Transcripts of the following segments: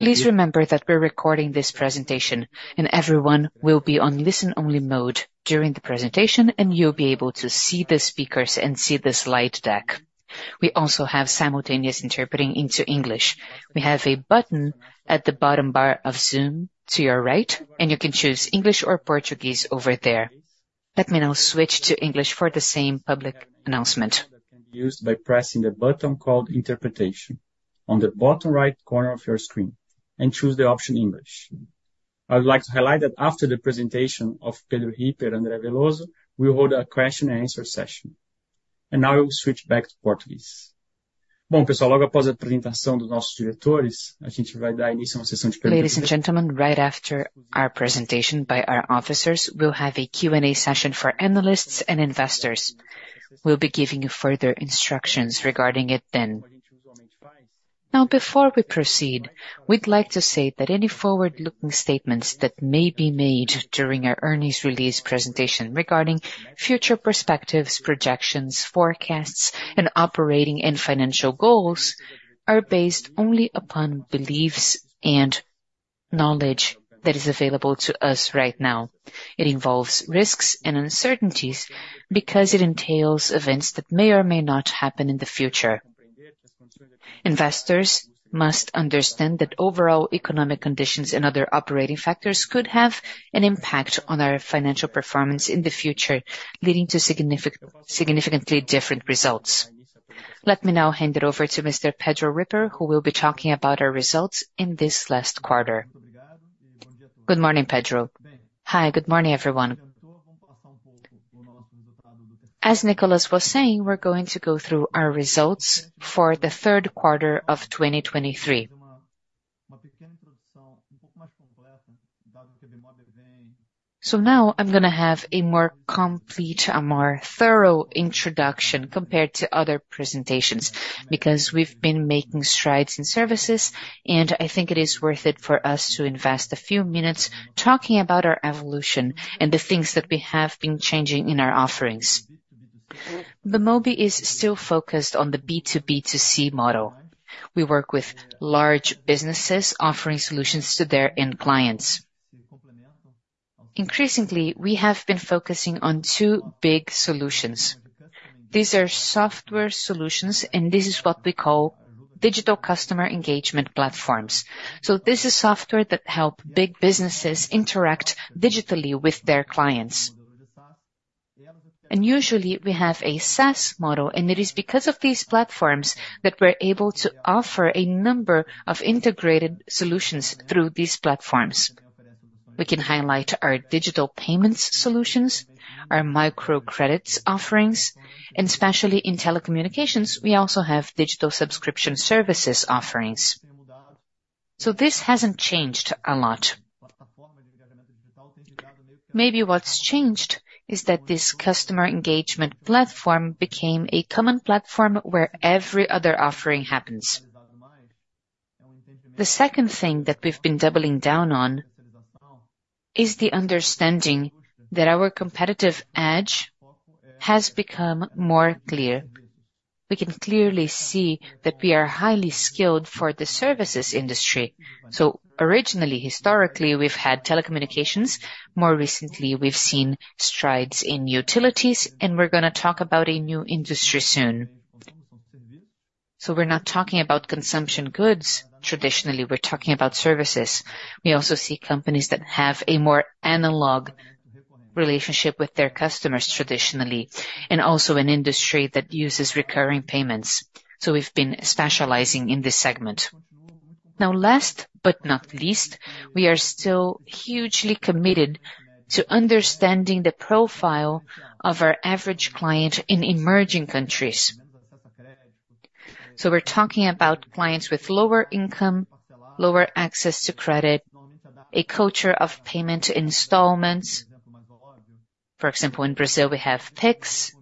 Please remember that we're recording this presentation, and everyone will be on listen-only mode during the presentation, and you'll be able to see the speakers and see the slide deck. We also have simultaneous interpreting into English. We have a button at the bottom bar of Zoom to your right, and you can choose English or Portuguese over there. Let me now switch to English for the same public announcement. Can be used by pressing the button called Interpretation on the bottom right corner of your screen, and choose the option English. I would like to highlight that after the presentation of Pedro Ripper and André Veloso, we'll hold a question and answer session. Now I will switch back to Portuguese. Ladies and gentlemen, right after our presentation by our officers, we'll have a Q&A session for analysts and investors. We'll be giving you further instructions regarding it then. Now, before we proceed, we'd like to say that any forward-looking statements that may be made during our earnings release presentation regarding future perspectives, projections, forecasts, and operating and financial goals, are based only upon beliefs and knowledge that is available to us right now. It involves risks and uncertainties because it entails events that may or may not happen in the future. Investors must understand that overall economic conditions and other operating factors could have an impact on our financial performance in the future, leading to significantly different results. Let me now hand it over to Mr. Pedro Ripper, who will be talking about our results in this last quarter. Good morning, Pedro. Hi, good morning, everyone. As Nicolas was saying, we're going to go through our results for the third quarter of 2023. So now I'm gonna have a more complete and more thorough introduction compared to other presentations, because we've been making strides in services, and I think it is worth it for us to invest a few minutes talking about our evolution and the things that we have been changing in our offerings. Bemobi is still focused on the B to B to C model. We work with large businesses offering solutions to their end clients. Increasingly, we have been focusing on two big solutions. These are software solutions, and this is what we call digital customer engagement platforms. So this is software that help big businesses interact digitally with their clients. Usually, we have a SaaS model, and it is because of these platforms that we're able to offer a number of integrated solutions through these platforms. We can highlight our digital payments solutions, our micro credits offerings, and especially in telecommunications, we also have digital subscription services offerings. This hasn't changed a lot. Maybe what's changed is that this customer engagement platform became a common platform where every other offering happens. The second thing that we've been doubling down on is the understanding that our competitive edge has become more clear. We can clearly see that we are highly skilled for the services industry. Originally, historically, we've had telecommunications. More recently, we've seen strides in utilities, and we're gonna talk about a new industry soon. We're not talking about consumption goods. Traditionally, we're talking about services. We also see companies that have a more analog relationship with their customers, traditionally, and also an industry that uses recurring payments. So we've been specializing in this segment. Now, last but not least, we are still hugely committed to understanding the profile of our average client in emerging countries. So we're talking about clients with lower income, lower access to credit, a culture of payment installments. For example, in Brazil, we have Pix,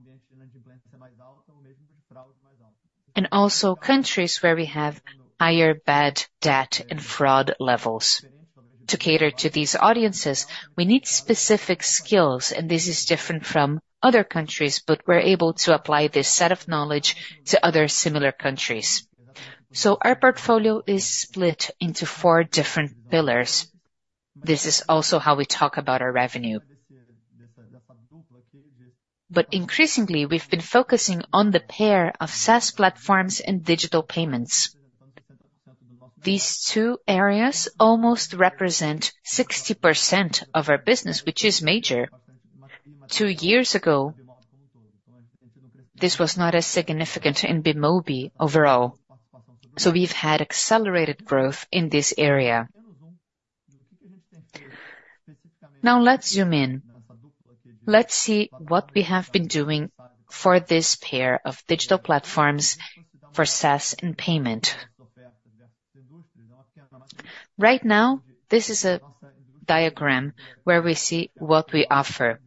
and also countries where we have higher bad debt and fraud levels. To cater to these audiences, we need specific skills, and this is different from other countries, but we're able to apply this set of knowledge to other similar countries. So our portfolio is split into four different pillars. This is also how we talk about our revenue. But increasingly, we've been focusing on the pair of SaaS platforms and digital payments. These two areas almost represent 60% of our business, which is major. Two years ago, this was not as significant in Bemobi overall, so we've had accelerated growth in this area. Now, let's zoom in. Let's see what we have been doing for this pair of digital platforms for SaaS and payment. Right now, this is a diagram where we see what we offer.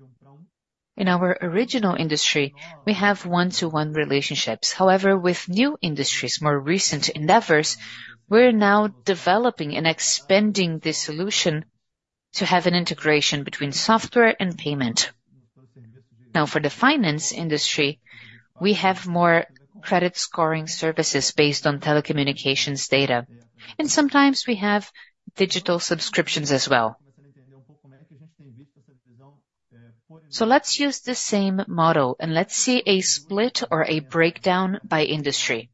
In our original industry, we have one-to-one relationships. However, with new industries, more recent endeavors, we're now developing and expanding this solution to have an integration between software and payment... Now for the finance industry, we have more credit scoring services based on telecommunications data, and sometimes we have digital subscriptions as well. So let's use the same model, and let's see a split or a breakdown by industry.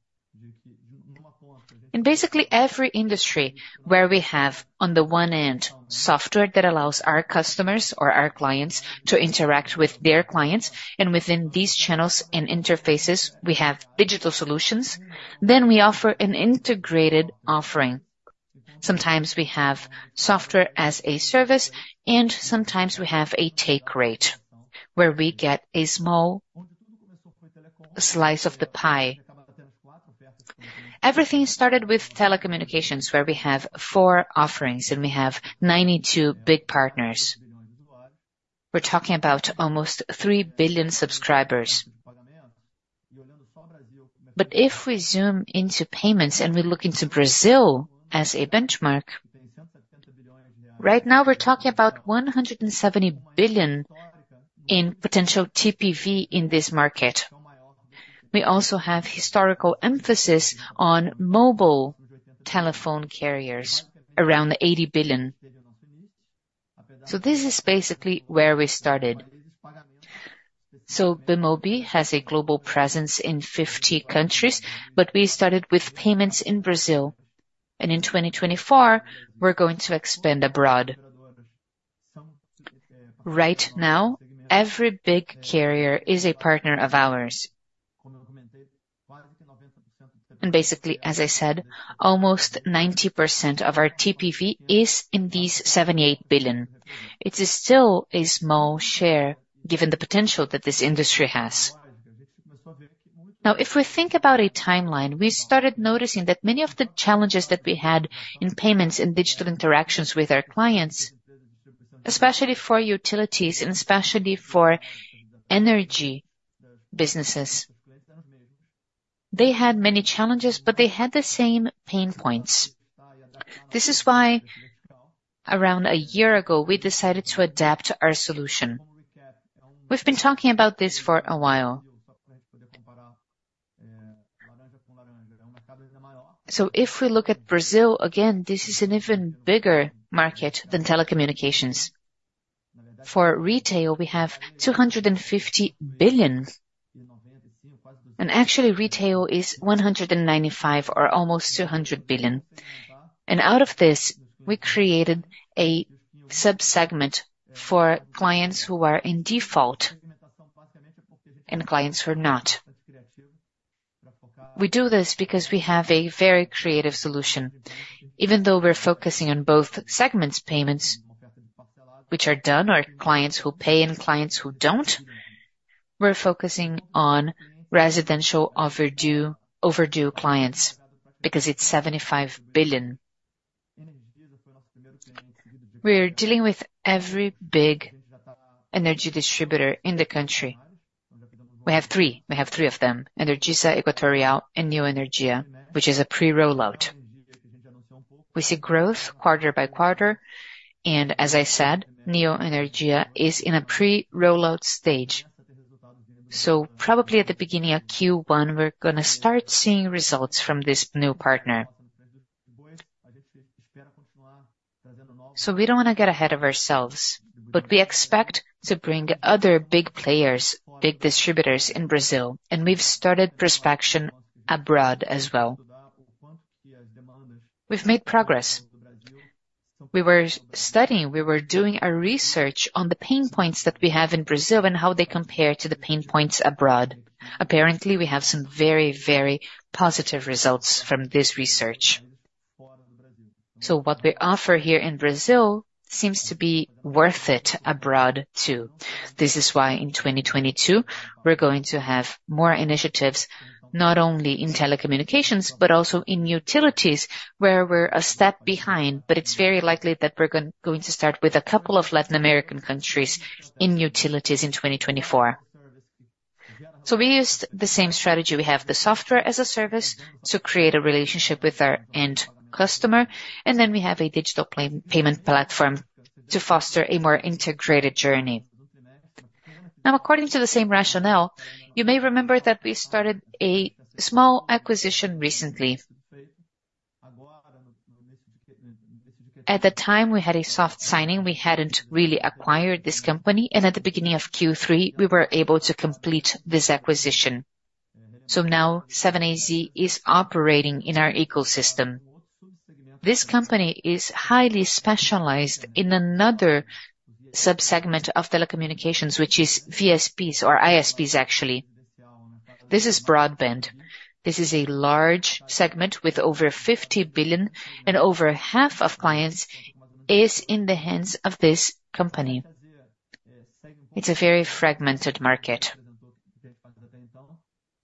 In basically every industry where we have, on the one end, software that allows our customers or our clients to interact with their clients, and within these channels and interfaces, we have digital solutions, then we offer an integrated offering. Sometimes we have software as a service, and sometimes we have a take rate, where we get a small slice of the pie. Everything started with telecommunications, where we have four offerings, and we have 92 big partners. We're talking about almost 3 billion subscribers. But if we zoom into payments and we look into Brazil as a benchmark, right now, we're talking about 170 billion in potential TPV in this market. We also have historical emphasis on mobile telephone carriers, around 80 billion. So this is basically where we started. Bemobi has a global presence in 50 countries, but we started with payments in Brazil, and in 2024, we're going to expand abroad. Right now, every big carrier is a partner of ours. Basically, as I said, almost 90% of our TPV is in these 78 billion. It is still a small share given the potential that this industry has. Now, if we think about a timeline, we started noticing that many of the challenges that we had in payments and digital interactions with our clients, especially for utilities and especially for energy businesses, they had many challenges, but they had the same pain points. This is why, around a year ago, we decided to adapt our solution. We've been talking about this for a while. So if we look at Brazil, again, this is an even bigger market than telecommunications. For retail, we have 250 billion, and actually, retail is 195 or almost 200 billion. Out of this, we created a subsegment for clients who are in default and clients who are not. We do this because we have a very creative solution. Even though we're focusing on both segments, payments which are done, or clients who pay and clients who don't, we're focusing on residential overdue, overdue clients, because it's 75 billion. We're dealing with every big energy distributor in the country. We have three. We have three of them, Energisa, Equatorial, and Neoenergia, which is a pre-rollout. We see growth quarter by quarter, and as I said, Neoenergia is in a pre-rollout stage. So probably at the beginning of Q1, we're gonna start seeing results from this new partner. So we don't want to get ahead of ourselves, but we expect to bring other big players, big distributors in Brazil, and we've started prospection abroad as well. We've made progress. We were studying, we were doing our research on the pain points that we have in Brazil and how they compare to the pain points abroad. Apparently, we have some very, very positive results from this research. So what we offer here in Brazil seems to be worth it abroad, too. This is why in 2022, we're going to have more initiatives, not only in telecommunications, but also in utilities, where we're a step behind. But it's very likely that we're going to start with a couple of Latin American countries in utilities in 2024. So we used the same strategy. We have the software as a service to create a relationship with our end customer, and then we have a digital payment platform to foster a more integrated journey. Now, according to the same rationale, you may remember that we started a small acquisition recently. At the time, we had a soft signing. We hadn't really acquired this company, and at the beginning of Q3, we were able to complete this acquisition. So now, 7AZ is operating in our ecosystem. This company is highly specialized in another subsegment of telecommunications, which is VSPs or ISPs, actually. This is broadband. This is a large segment with over 50 billion and over half of clients is in the hands of this company. It's a very fragmented market,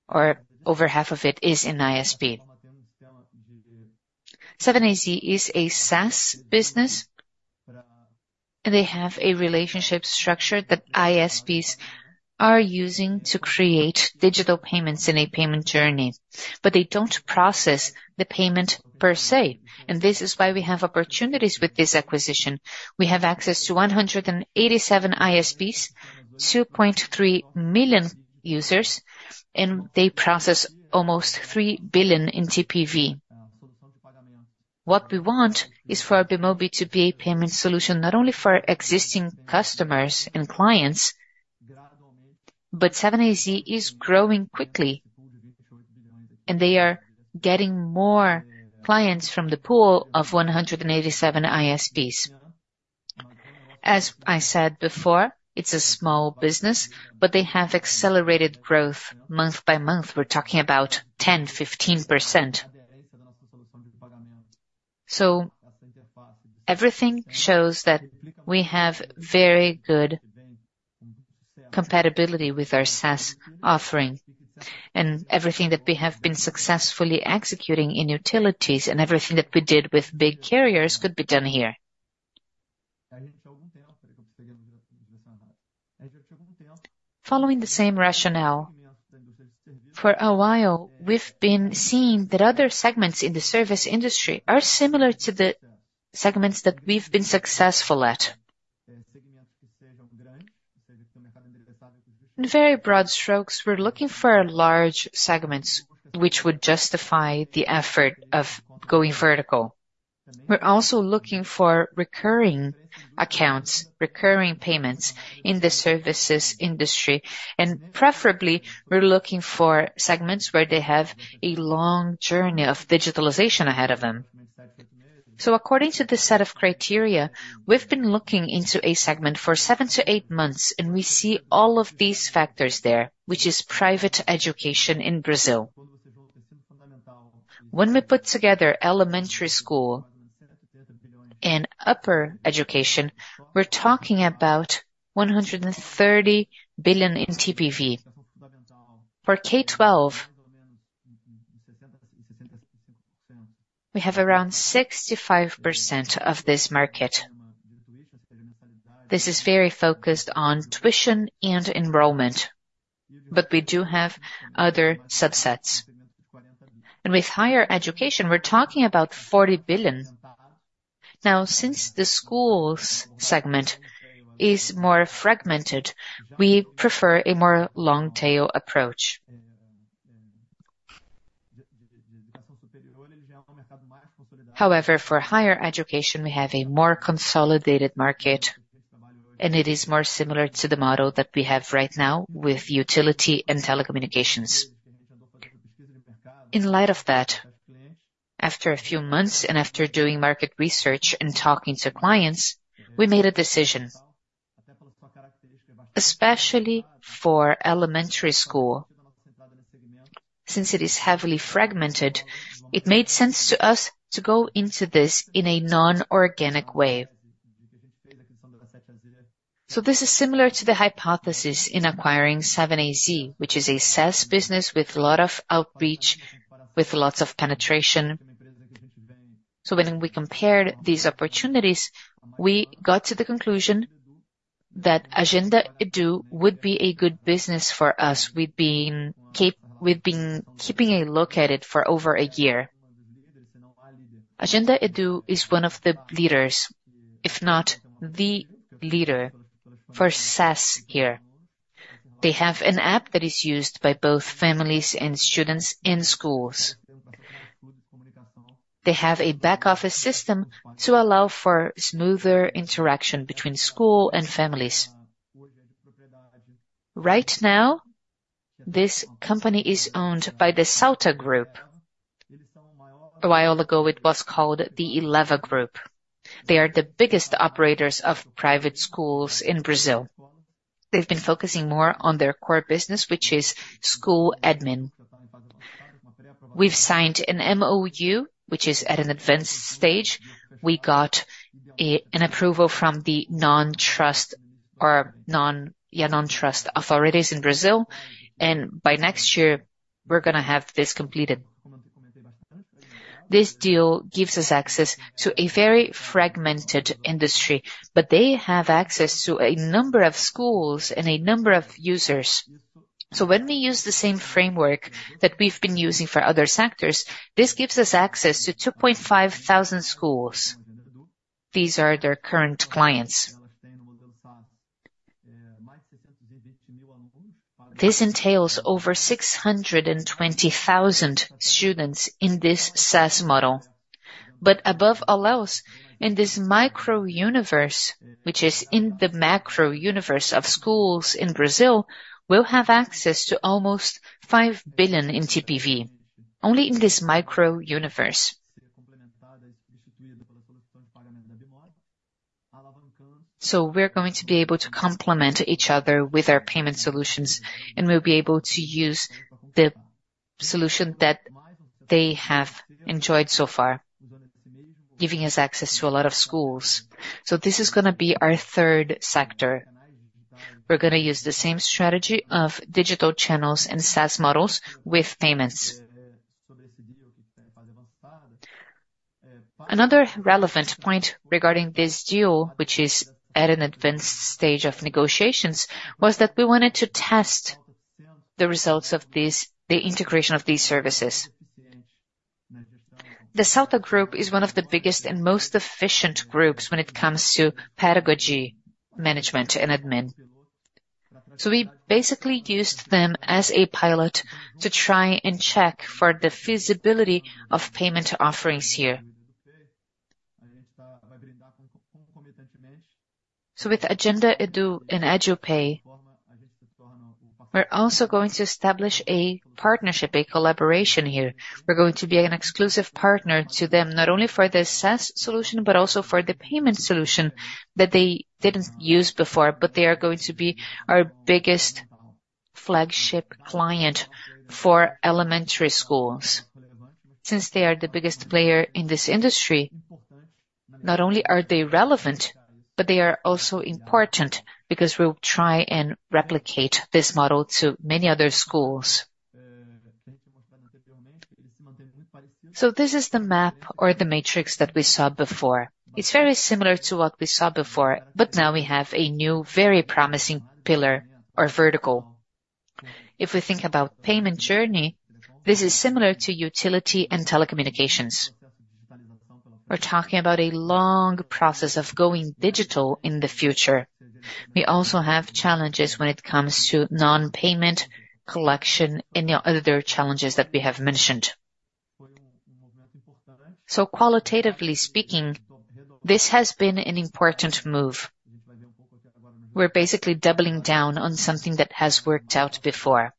or over half of it is in ISP. 7AZ is a SaaS business, and they have a relationship structure that ISPs are using to create digital payments in a payment journey, but they don't process the payment per se, and this is why we have opportunities with this acquisition. We have access to 187 ISPs, 2.3 million users, and they process almost 3 billion in TPV. What we want is for our Bemobi to be a payment solution, not only for existing customers and clients, but 7AC is growing quickly, and they are getting more clients from the pool of 187 ISPs. As I said before, it's a small business, but they have accelerated growth month by month. We're talking about 10%-15%. So everything shows that we have very good compatibility with our SaaS offering, and everything that we have been successfully executing in utilities, and everything that we did with big carriers could be done here. Following the same rationale, for a while, we've been seeing that other segments in the service industry are similar to the segments that we've been successful at. In very broad strokes, we're looking for large segments which would justify the effort of going vertical. We're also looking for recurring accounts, recurring payments in the services industry, and preferably, we're looking for segments where they have a long journey of digitalization ahead of them. So according to this set of criteria, we've been looking into a segment for seven to eight months, and we see all of these factors there, which is private education in Brazil. When we put together elementary school and upper education, we're talking about 130 billion in TPV. For K-12, we have around 65% of this market. This is very focused on tuition and enrollment, but we do have other subsets. And with higher education, we're talking about 40 billion. Now, since the schools segment is more fragmented, we prefer a more long tail approach. However, for higher education, we have a more consolidated market, and it is more similar to the model that we have right now with utility and telecommunications. In light of that, after a few months and after doing market research and talking to clients, we made a decision, especially for elementary school. Since it is heavily fragmented, it made sense to us to go into this in a non-organic way. So this is similar to the hypothesis in acquiring 7AZ, which is a SaaS business with a lot of outreach, with lots of penetration. So when we compared these opportunities, we got to the conclusion that Agenda Edu would be a good business for us. We've been keeping a look at it for over a year. Agenda Edu is one of the leaders, if not the leader, for SaaS here. They have an app that is used by both families and students in schools. They have a back office system to allow for smoother interaction between school and families. Right now, this company is owned by the Salta Group. A while ago, it was called the Eleva Group. They are the biggest operators of private schools in Brazil. They've been focusing more on their core business, which is school admin. We've signed an MoU, which is at an advanced stage. We got an approval from the antitrust authorities in Brazil, and by next year, we're gonna have this completed. This deal gives us access to a very fragmented industry, but they have access to a number of schools and a number of users. So when we use the same framework that we've been using for other sectors, this gives us access to 2,500 schools. These are their current clients. This entails over 620,000 students in this SaaS model. But above all else, in this micro universe, which is in the macro universe of schools in Brazil, we'll have access to almost 5 billion in TPV, only in this micro universe. So we're going to be able to complement each other with our payment solutions, and we'll be able to use the solution that they have enjoyed so far, giving us access to a lot of schools. So this is gonna be our third sector. We're gonna use the same strategy of digital channels and SaaS models with payments. Another relevant point regarding this deal, which is at an advanced stage of negotiations, was that we wanted to test the results of this, the integration of these services. The Salta Group is one of the biggest and most efficient groups when it comes to pedagogy, management, and admin. So we basically used them as a pilot to try and check for the feasibility of payment offerings here. So with Agenda Edu and EduPay, we're also going to establish a partnership, a collaboration here. We're going to be an exclusive partner to them, not only for the SaaS solution, but also for the payment solution that they didn't use before. But they are going to be our biggest flagship client for elementary schools. Since they are the biggest player in this industry, not only are they relevant, but they are also important because we'll try and replicate this model to many other schools. So this is the map or the matrix that we saw before. It's very similar to what we saw before, but now we have a new, very promising pillar or vertical. If we think about payment journey, this is similar to utility and telecommunications. We're talking about a long process of going digital in the future. We also have challenges when it comes to non-payment, collection, and the other challenges that we have mentioned. So qualitatively speaking, this has been an important move. We're basically doubling down on something that has worked out before,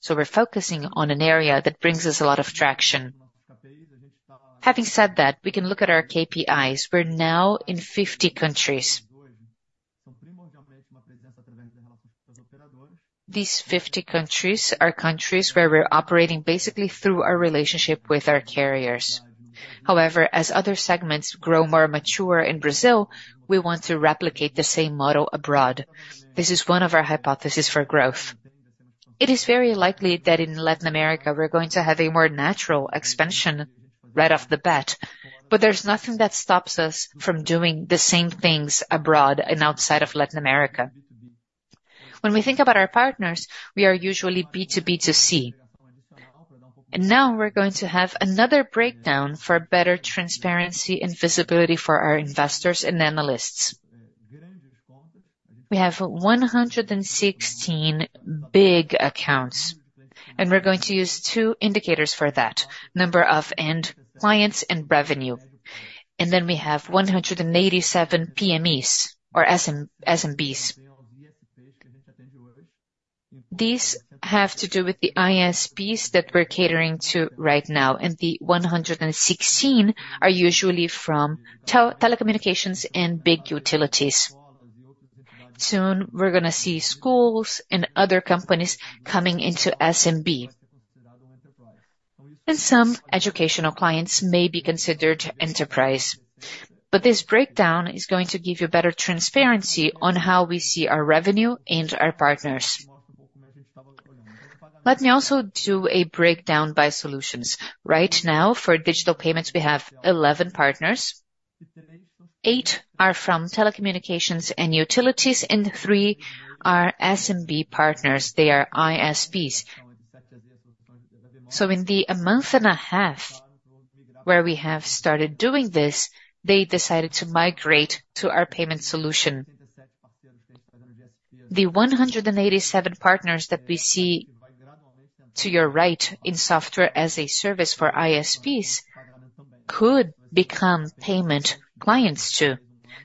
so we're focusing on an area that brings us a lot of traction. Having said that, we can look at our KPIs. We're now in 50 countries. These 50 countries are countries where we're operating basically through our relationship with our carriers. However, as other segments grow more mature in Brazil, we want to replicate the same model abroad. This is one of our hypothesis for growth. It is very likely that in Latin America, we're going to have a more natural expansion right off the bat, but there's nothing that stops us from doing the same things abroad and outside of Latin America. When we think about our partners, we are usually B2B2C, and now we're going to have another breakdown for better transparency and visibility for our investors and analysts. We have 116 big accounts, and we're going to use two indicators for that, number of end clients and revenue. Then we have 187 PMEs or SMBs. These have to do with the ISPs that we're catering to right now, and the 116 are usually from telecommunications and big utilities. Soon, we're gonna see schools and other companies coming into SMB. And some educational clients may be considered enterprise. But this breakdown is going to give you better transparency on how we see our revenue and our partners. Let me also do a breakdown by solutions. Right now, for digital payments, we have 11 partners. eight are from telecommunications and utilities, and three are SMB partners. They are ISPs. So in a month and a half where we have started doing this, they decided to migrate to our payment solution. The 187 partners that we see to your right in Software as a Service for ISPs could become payment clients, too.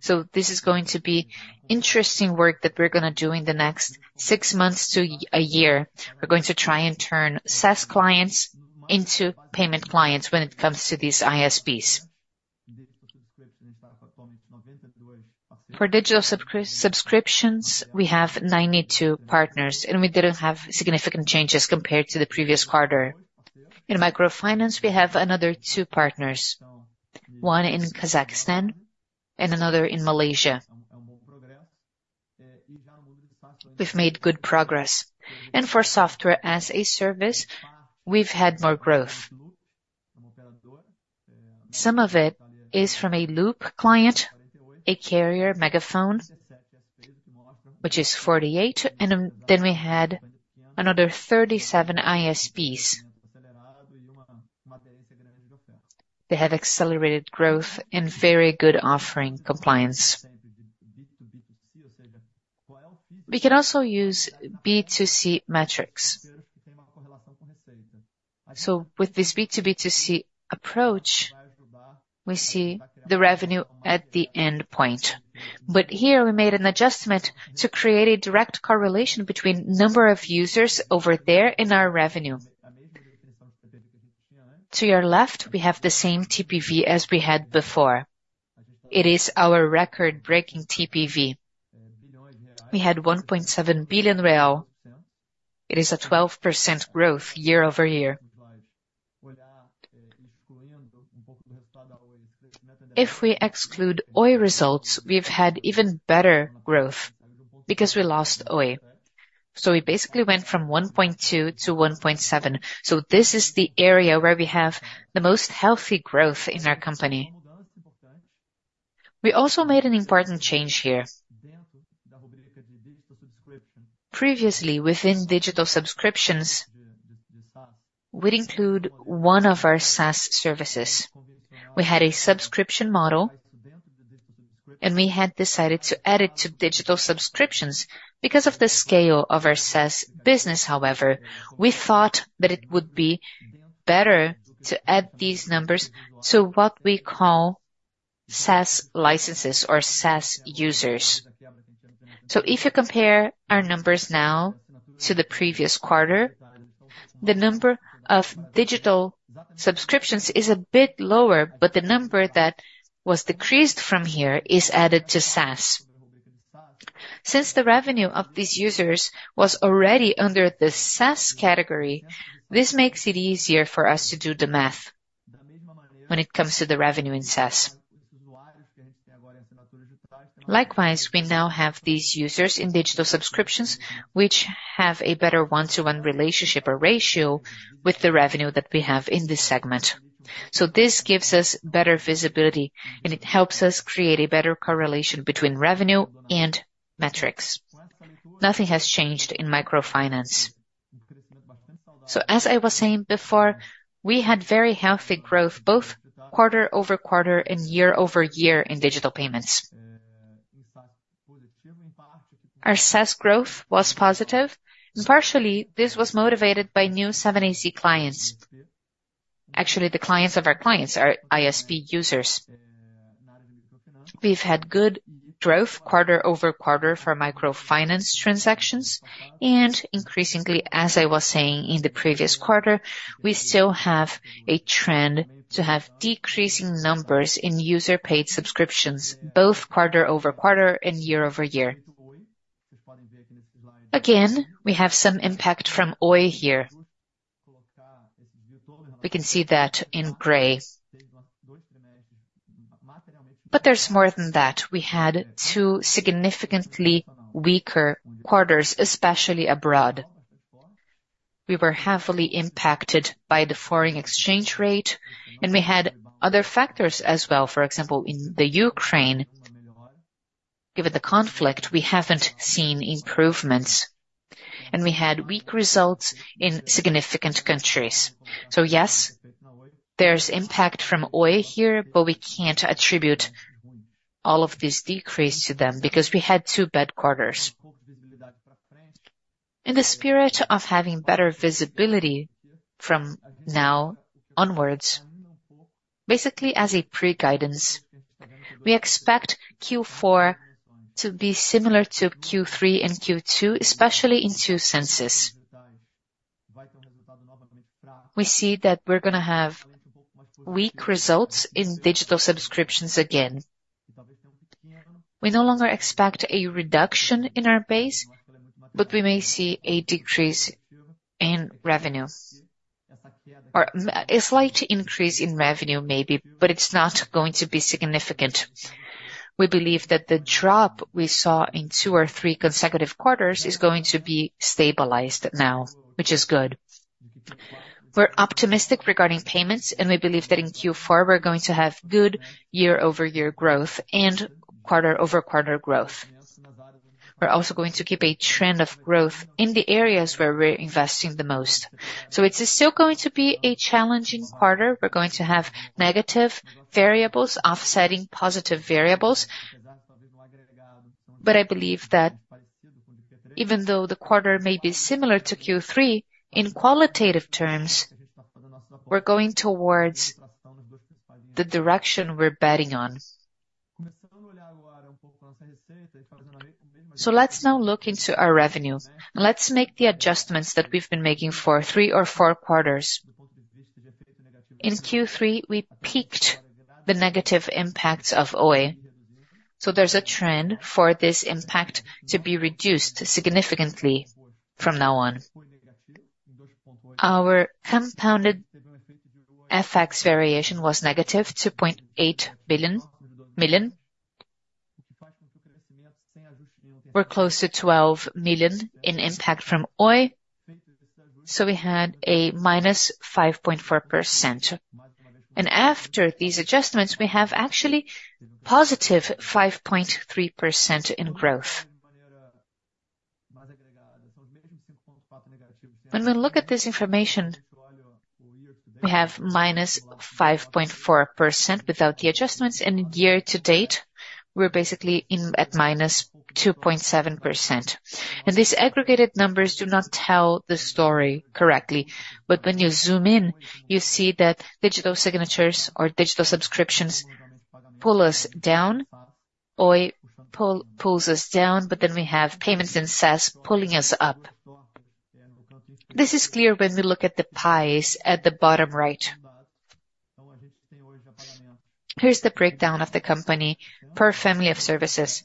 So this is going to be interesting work that we're gonna do in the next six months to a year. We're going to try and turn SaaS clients into payment clients when it comes to these ISPs. For digital subscriptions, we have 92 partners, and we didn't have significant changes compared to the previous quarter. In microfinance, we have another two partners, one in Kazakhstan and another in Malaysia. We've made good progress, and for Software as a Service, we've had more growth. Some of it is from a loop client, a carrier, MegaFon, which is 48, and then we had another 37 ISPs. They have accelerated growth and very good offering compliance. We can also use B2C metrics. So with this B2B2C approach, we see the revenue at the end point. But here we made an adjustment to create a direct correlation between number of users over there and our revenue. To your left, we have the same TPV as we had before. It is our record-breaking TPV. We had 1.7 billion real. It is a 12% growth year-over-year. If we exclude Oi results, we've had even better growth because we lost Oi. So we basically went from 1.2 billion-1.7 billion. So this is the area where we have the most healthy growth in our company. We also made an important change here. Previously, within digital subscriptions, we'd include one of our SaaS services. We had a subscription model, and we had decided to add it to digital subscriptions. Because of the scale of our SaaS business, however, we thought that it would be better to add these numbers to what we call SaaS licenses or SaaS users. So if you compare our numbers now to the previous quarter, the number of digital subscriptions is a bit lower, but the number that was decreased from here is added to SaaS. Since the revenue of these users was already under the SaaS category, this makes it easier for us to do the math when it comes to the revenue in SaaS. Likewise, we now have these users in digital subscriptions, which have a better one-to-one relationship or ratio with the revenue that we have in this segment. So this gives us better visibility, and it helps us create a better correlation between revenue and metrics. Nothing has changed in microfinance. So as I was saying before, we had very healthy growth, both quarter-over-quarter and year-over-year in digital payments. Our SaaS growth was positive, and partially, this was motivated by new seven AC clients. Actually, the clients of our clients are ISP users. We've had good growth quarter-over-quarter for microfinance transactions, and increasingly, as I was saying in the previous quarter, we still have a trend to have decreasing numbers in user-paid subscriptions, both quarter-over-quarter and year-over-year. Again, we have some impact from Oi here. We can see that in gray. But there's more than that. We had two significantly weaker quarters, especially abroad. We were heavily impacted by the foreign exchange rate, and we had other factors as well. For example, in the Ukraine, given the conflict, we haven't seen improvements, and we had weak results in significant countries. So yes, there's impact from Oi here, but we can't attribute all of this decrease to them because we had two bad quarters. In the spirit of having better visibility from now onwards, basically, as a pre-guidance, we expect Q4 to be similar to Q3 and Q2, especially in two senses. We see that we're gonna have weak results in digital subscriptions again. We no longer expect a reduction in our base, but we may see a decrease in revenue or a slight increase in revenue, maybe, but it's not going to be significant. We believe that the drop we saw in two or three consecutive quarters is going to be stabilized now, which is good. We're optimistic regarding payments, and we believe that in Q4, we're going to have good year-over-year growth and quarter-over-quarter growth. We're also going to keep a trend of growth in the areas where we're investing the most. So it is still going to be a challenging quarter. We're going to have negative variables offsetting positive variables. But I believe that even though the quarter may be similar to Q3, in qualitative terms, we're going towards the direction we're betting on. So let's now look into our revenue, and let's make the adjustments that we've been making for three or four quarters. In Q3, we peaked the negative impacts of Oi, so there's a trend for this impact to be reduced significantly from now on. Our compounded FX variation was negative 2.8 million. We're close to 12 million in impact from Oi, so we had a -5.4%. And after these adjustments, we have actually +5.3% in growth. When we look at this information, we have -5.4% without the adjustments, and year to date, we're basically in at -2.7%. And these aggregated numbers do not tell the story correctly. But when you zoom in, you see that digital subscriptions pull us down, Oi pulls us down, but then we have payments and SaaS pulling us up. This is clear when we look at the pies at the bottom right. Here's the breakdown of the company per family of services.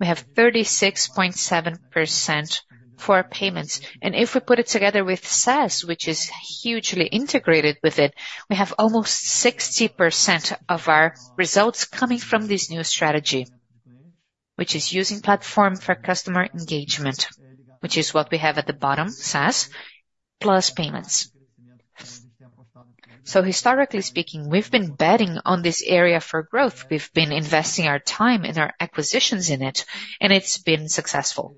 We have 36.7% for payments, and if we put it together with SaaS, which is hugely integrated with it, we have almost 60% of our results coming from this new strategy, which is using platform for customer engagement, which is what we have at the bottom, SaaS, plus payments. So historically speaking, we've been betting on this area for growth. We've been investing our time and our acquisitions in it, and it's been successful.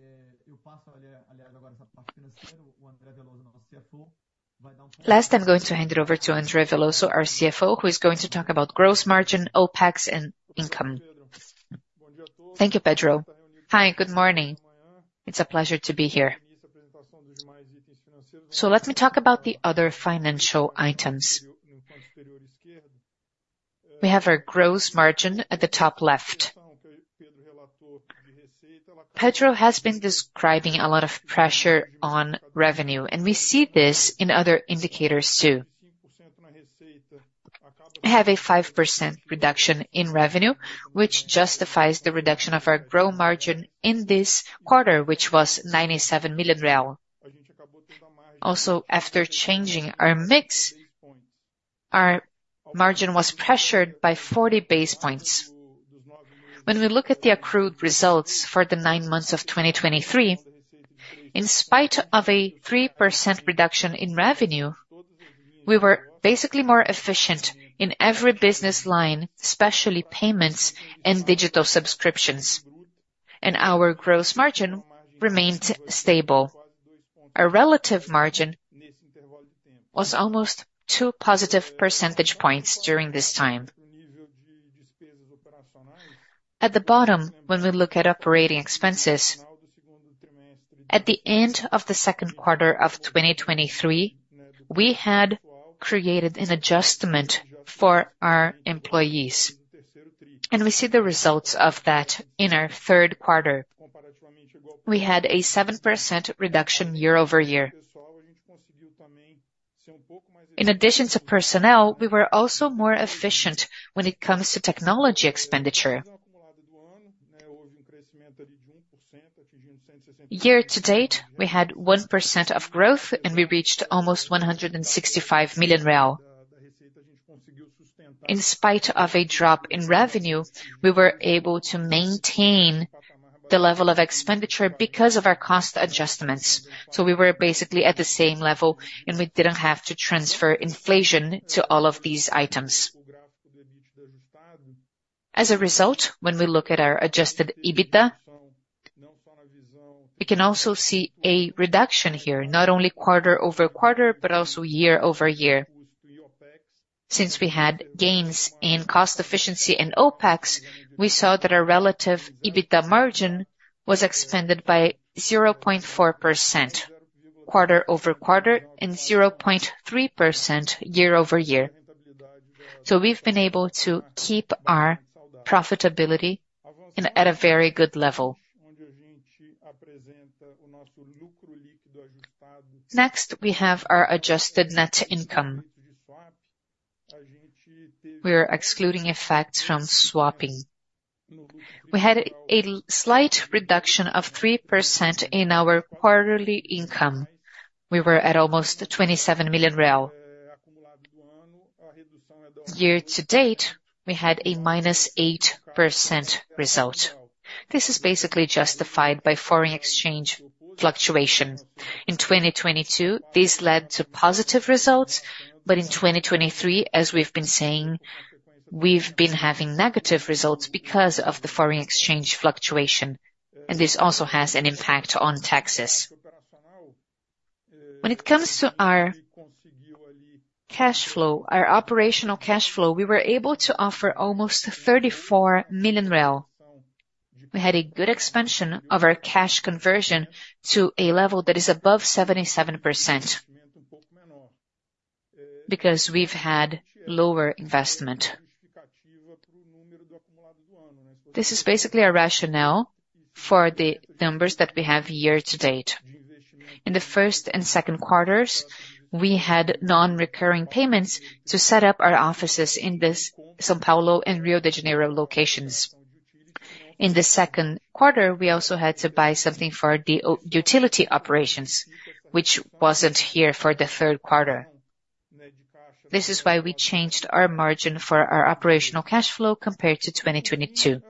Last, I'm going to hand it over to André Veloso, our CFO, who is going to talk about gross margin, OpEx, and income. Thank you, Pedro. Hi, good morning. It's a pleasure to be here. So let me talk about the other financial items. We have our gross margin at the top left. Pedro has been describing a lot of pressure on revenue, and we see this in other indicators, too. We have a 5% reduction in revenue, which justifies the reduction of our gross margin in this quarter, which was 97 million real. Also, after changing our mix, our margin was pressured by 40 basis points. When we look at the accrued results for the nine months of 2023, in spite of a 3% reduction in revenue, we were basically more efficient in every business line, especially payments and digital subscriptions, and our gross margin remained stable. Our relative margin was almost 2 positive percentage points during this time. At the bottom, when we look at operating expenses, at the end of the second quarter of 2023, we had created an adjustment for our employees, and we see the results of that in our third quarter. We had a 7% reduction year-over-year. In addition to personnel, we were also more efficient when it comes to technology expenditure. Year to date, we had 1% growth, and we reached almost 165 million real. In spite of a drop in revenue, we were able to maintain the level of expenditure because of our cost adjustments. So we were basically at the same level, and we didn't have to transfer inflation to all of these items. As a result, when we look at our Adjusted EBITDA, we can also see a reduction here, not only quarter-over-quarter, but also year-over-year. Since we had gains in cost efficiency and OpEx, we saw that our relative EBITDA margin was expanded by 0.4% quarter-over-quarter and 0.3% year-over-year. So we've been able to keep our profitability in, at a very good level. Next, we have our adjusted net income. We are excluding effects from swapping. We had a slight reduction of 3% in our quarterly income. We were at almost 27 million real. Year to date, we had a -8% result. This is basically justified by foreign exchange fluctuation. In 2022, this led to positive results, but in 2023, as we've been saying, we've been having negative results because of the foreign exchange fluctuation, and this also has an impact on taxes. When it comes to our cash flow, our operational cash flow, we were able to offer almost 34 million real. We had a good expansion of our cash conversion to a level that is above 77%, because we've had lower investment. This is basically our rationale for the numbers that we have year to date. In the first and second quarters, we had non-recurring payments to set up our offices in this São Paulo and Rio de Janeiro locations. In the second quarter, we also had to buy something for the our utility operations, which wasn't here for the third quarter. This is why we changed our margin for our operational cash flow compared to 2022.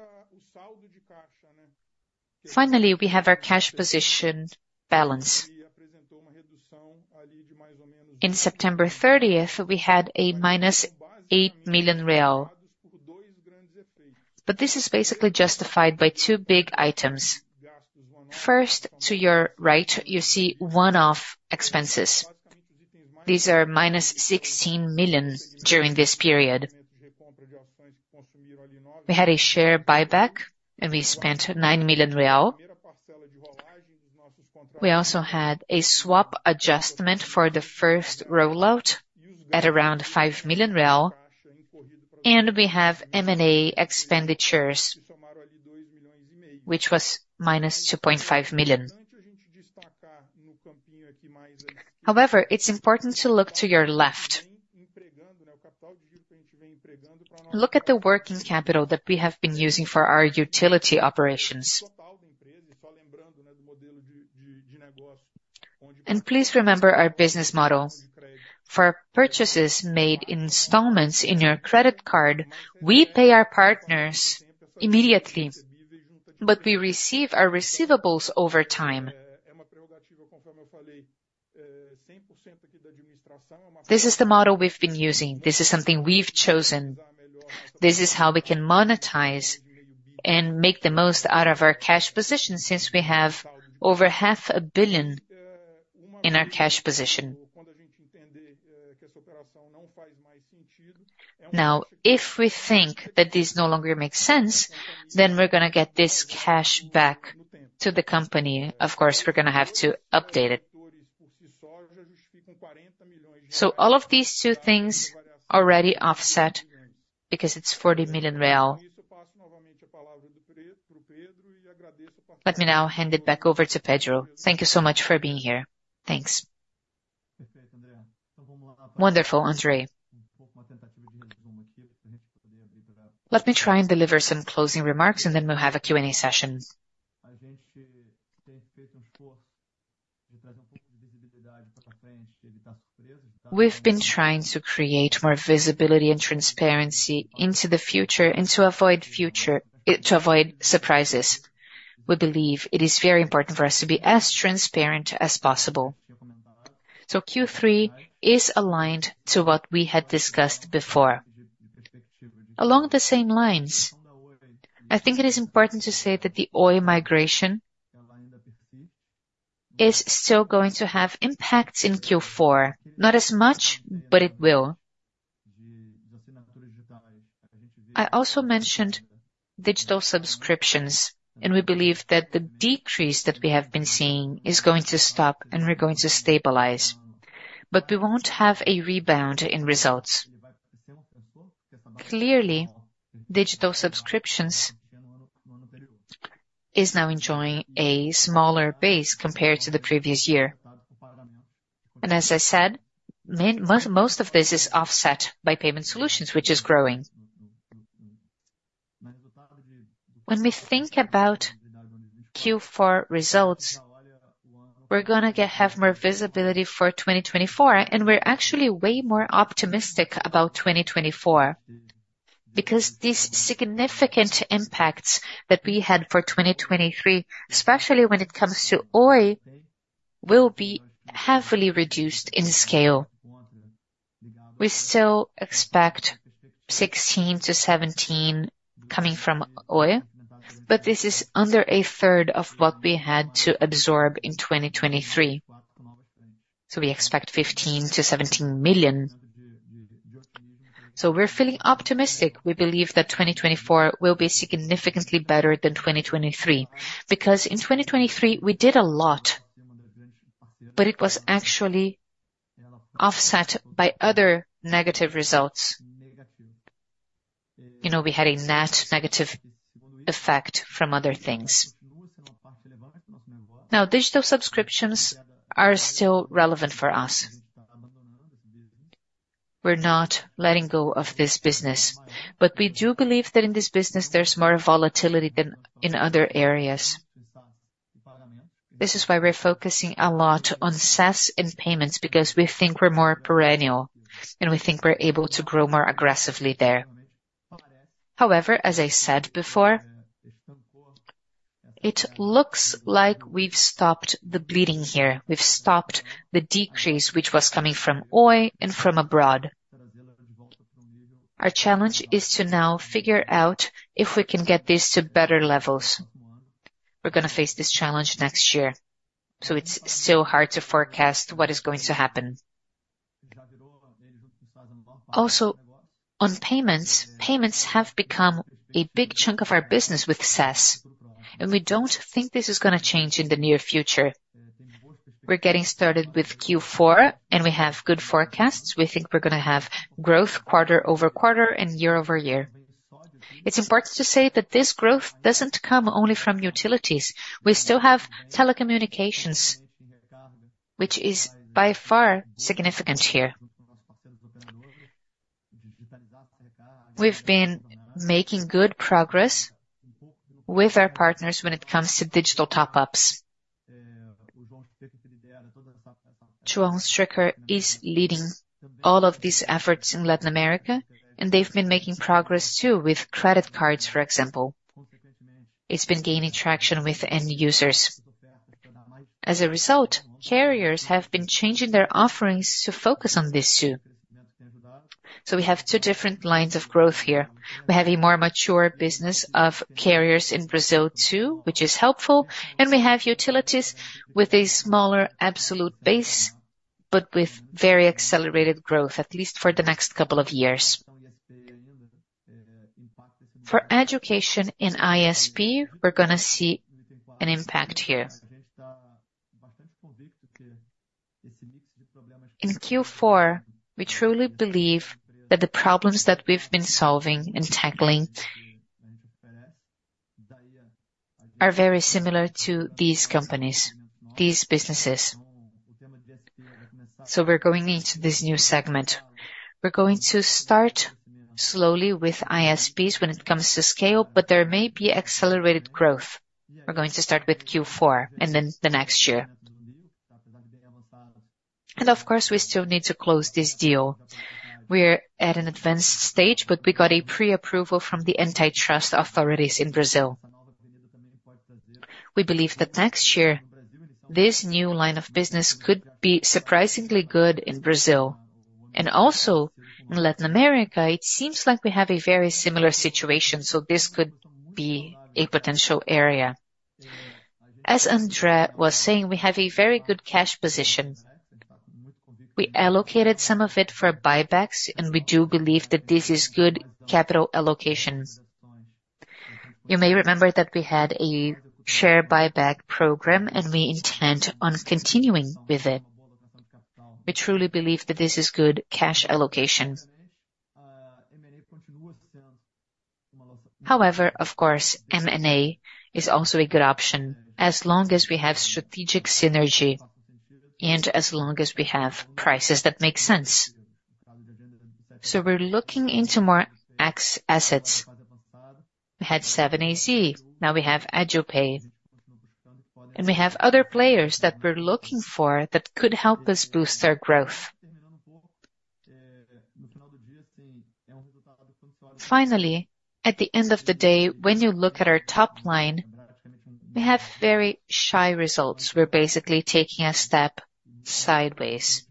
Finally, we have our cash position balance. In September thirtieth, we had a -8 million real, but this is basically justified by two big items. First, to your right, you see one-off expenses. These are -16 million during this period. We had a share buyback and we spent 9 million real. We also had a swap adjustment for the first rollout at around 5 million real, and we have M&A expenditures, which was -2.5 million. However, it's important to look to your left. Look at the working capital that we have been using for our utility operations. Please remember our business model. For purchases made in installments in your credit card, we pay our partners immediately, but we receive our receivables over time. This is the model we've been using. This is something we've chosen. This is how we can monetize and make the most out of our cash position, since we have over 500 million in our cash position. Now, if we think that this no longer makes sense, then we're gonna get this cash back to the company. Of course, we're gonna have to update it. So all of these two things already offset, because it's BRL 40 million. Let me now hand it back over to Pedro. Thank you so much for being here. Thanks. Wonderful, André. Let me try and deliver some closing remarks, and then we'll have a Q&A session. We've been trying to create more visibility and transparency into the future and to avoid future, to avoid surprises. We believe it is very important for us to be as transparent as possible. So Q3 is aligned to what we had discussed before. Along the same lines, I think it is important to say that the Oi migration is still going to have impacts in Q4. Not as much, but it will. I also mentioned digital subscriptions, and we believe that the decrease that we have been seeing is going to stop and we're going to stabilize, but we won't have a rebound in results. Clearly, digital subscriptions is now enjoying a smaller base compared to the previous year. As I said, man, most of this is offset by payment solutions, which is growing. When we think about Q4 results, we're gonna have more visibility for 2024, and we're actually way more optimistic about 2024. Because these significant impacts that we had for 2023, especially when it comes to Oi, will be heavily reduced in scale. We still expect 16 million-BRL17 million coming from Oi, but this is under a third of what we had to absorb in 2023. So we expect 15 million-17 million. So we're feeling optimistic. We believe that 2024 will be significantly better than 2023, because in 2023, we did a lot, but it was actually offset by other negative results. You know, we had a net negative effect from other things. Now, digital subscriptions are still relevant for us. We're not letting go of this business, but we do believe that in this business, there's more volatility than in other areas. This is why we're focusing a lot on SaaS and payments, because we think we're more perennial, and we think we're able to grow more aggressively there. However, as I said before, it looks like we've stopped the bleeding here. We've stopped the decrease, which was coming from Oi and from abroad. Our challenge is to now figure out if we can get this to better levels. We're gonna face this challenge next year, so it's still hard to forecast what is going to happen. Also, on payments, payments have become a big chunk of our business with SaaS, and we don't think this is gonna change in the near future. We're getting started with Q4, and we have good forecasts. We think we're gonna have growth quarter-over-quarter and year over year. It's important to say that this growth doesn't come only from utilities. We still have telecommunications, which is by far significant here. We've been making good progress with our partners when it comes to digital top-ups. João Stricker is leading all of these efforts in Latin America, and they've been making progress, too, with credit cards, for example. It's been gaining traction with end users. As a result, carriers have been changing their offerings to focus on this, too. So we have two different lines of growth here. We have a more mature business of carriers in Brazil, too, which is helpful, and we have utilities with a smaller absolute base, but with very accelerated growth, at least for the next couple of years. For education in ISP, we're gonna see an impact here. In Q4, we truly believe that the problems that we've been solving and tackling are very similar to these companies, these businesses. So we're going into this new segment. We're going to start slowly with ISPs when it comes to scale, but there may be accelerated growth. We're going to start with Q4 and then the next year. And of course, we still need to close this deal. We're at an advanced stage, but we got a pre-approval from the antitrust authorities in Brazil. We believe that next year, this new line of business could be surprisingly good in Brazil. And also in Latin America, it seems like we have a very similar situation, so this could be a potential area. As André was saying, we have a very good cash position. We allocated some of it for buybacks, and we do believe that this is good capital allocation. You may remember that we had a share buyback program, and we intend on continuing with it. We truly believe that this is good cash allocation. However, of course, M&A is also a good option, as long as we have strategic synergy and as long as we have prices that make sense. So we're looking into more M&A assets. We had Agenda, now we have EduPay, and we have other players that we're looking for that could help us boost our growth. Finally, at the end of the day, when you look at our top line, we have very solid results. We're basically taking a step sideways.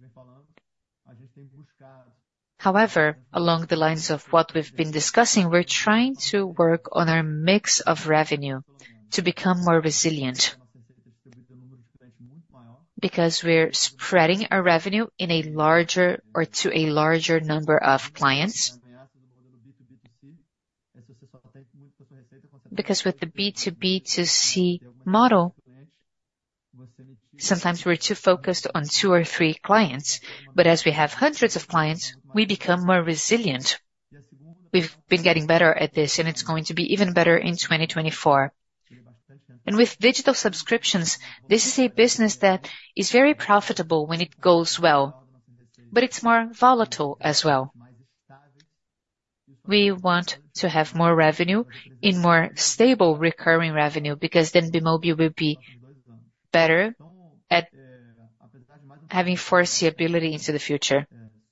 However, along the lines of what we've been discussing, we're trying to work on our mix of revenue to become more resilient, because we're spreading our revenue to a larger number of clients. Because with the B2B2C model, sometimes we're too focused on two or three clients, but as we have hundreds of clients, we become more resilient. We've been getting better at this, and it's going to be even better in 2024. And with digital subscriptions, this is a business that is very profitable when it goes well, but it's more volatile as well. We want to have more revenue in more stable, recurring revenue, because then Bemobi will be better at having foreseeability into the future.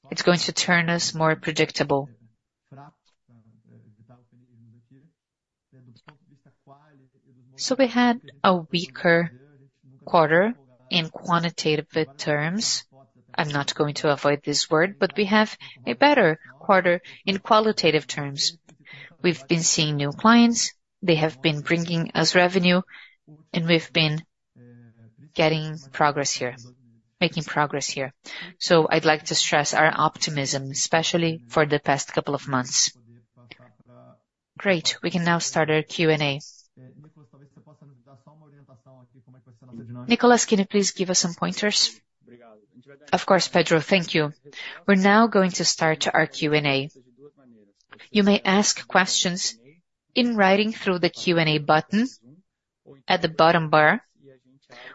It's going to turn us more predictable. So we had a weaker quarter in quantitative terms. I'm not going to avoid this word, but we have a better quarter in qualitative terms. We've been seeing new clients, they have been bringing us revenue, and we've been making progress here. So I'd like to stress our optimism, especially for the past couple of months. Great, we can now start our Q&A. Nicolas, can you please give us some pointers? Of course, Pedro, thank you. We're now going to start our Q&A. You may ask questions in writing through the Q&A button at the bottom bar,